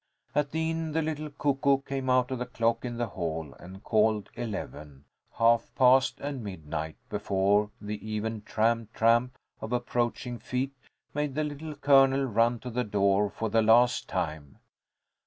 At the inn the little cuckoo came out of the clock in the hall and called eleven, half past, and midnight, before the even tramp, tramp of approaching feet made the Little Colonel run to the door for the last time.